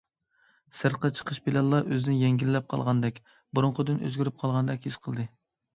سىرتقا چىقىشى بىلەنلا ئۆزىنى يەڭگىللەپ قالغاندەك، بۇرۇنقىدىن ئۆزگىرىپ قالغاندەك ھېس قىلدى.